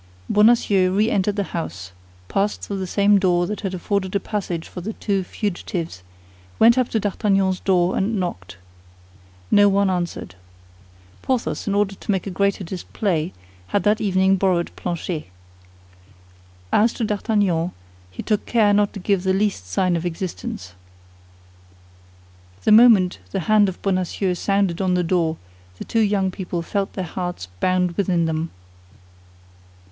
Bonacieux re entered the house, passed through the same door that had afforded a passage for the two fugitives, went up to D'Artagnan's door, and knocked. No one answered. Porthos, in order to make a greater display, had that evening borrowed Planchet. As to D'Artagnan, he took care not to give the least sign of existence. The moment the hand of Bonacieux sounded on the door, the two young people felt their hearts bound within them.